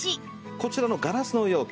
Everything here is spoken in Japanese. こちらのガラスの容器